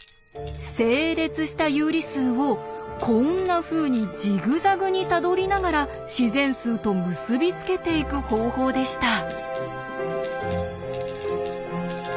整列した有理数をこんなふうにジグザグにたどりながら自然数と結び付けていく方法でした。